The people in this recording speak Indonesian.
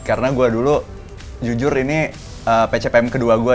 karena gue dulu jujur ini pcpm kedua gue